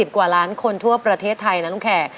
กว่าล้านคนทั่วประเทศไทยนะน้องแขก